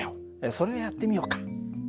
それをやってみようか。